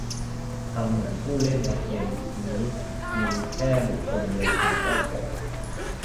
ทำเหมือนผู้เล่นในเกมนี้มีแค่บุคคลเดียวคือเจ้าของ